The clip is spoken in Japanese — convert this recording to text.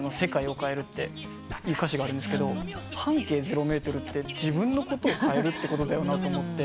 そういう歌詞があるんですけど半径０ｍって自分のことを変えるってことだよなと思って。